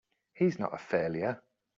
He's not a failure!